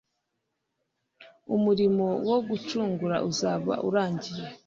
Umurimo wo gucungura uzaba urangiye.